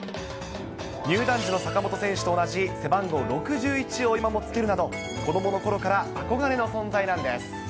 入団時の坂本選手と同じ、背番号６１を今もつけるなど、子どものころから憧れの存在なんです。